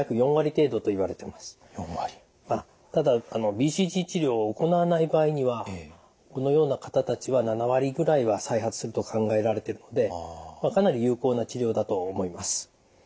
ただＢＣＧ治療を行わない場合にはこのような方たちは７割ぐらいは再発すると考えられてるのでかなり有効な治療だと思います。